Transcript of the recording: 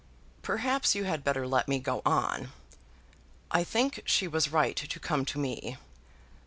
"Perhaps you had better let me go on. I think she was right to come to me."